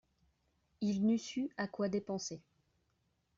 Il n'eût su à quoi dépenser.